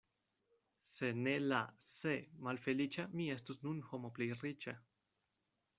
Se ne la "se" malfeliĉa, mi estus nun homo plej riĉa.